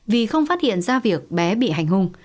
vì không phát hiện ra việc bé bị hành hung